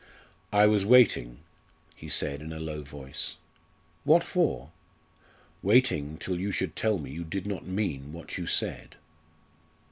"I was waiting," he said in a low voice. "What for?" "Waiting till you should tell me you did not mean what you said."